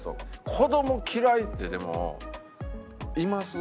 子ども嫌いってでもいます？